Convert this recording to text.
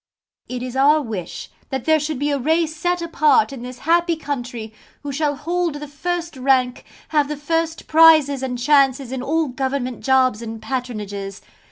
It is our wish that there should be a race set apart in this happy country, who shall hold the first rank, have the first prizes and chances in all government jobs and patronages.